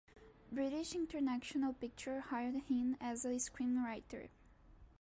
British International Pictures hired him as a screenwriter.